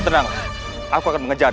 tenang aku akan mengejar